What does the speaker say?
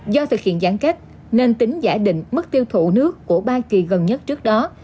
do thực hiện giãn cách nên tính giả định mức tiêu thụ nước của ba kỳ gần nhất trước đó